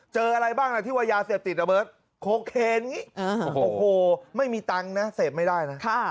อะไรบ้างนะที่ว่ายาเสพติดอ่ะเบิร์ตโคเคนอย่างนี้โอ้โหไม่มีตังค์นะเสพไม่ได้นะ